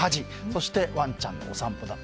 そしてワンちゃんのお散歩。